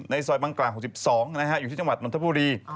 ซอยบังกลาง๖๒อยู่ที่จังหวัดนทบุรี